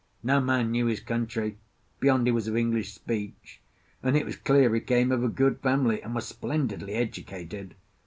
No man knew his country, beyond he was of English speech; and it was clear he came of a good family and was splendidly educated.